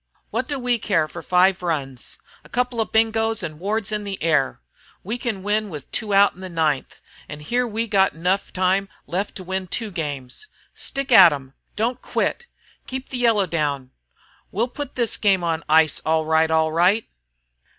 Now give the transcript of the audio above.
"Wot do we care fer five runs? A couple of bingoes an' Ward's in the air. We kin win with two out in the ninth, an' here we got enough time left to win two games. Stick at 'em! Don't quit! Keep the yellow down! We'll put this game on ice, all right, all right!"